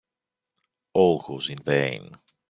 All was in vain.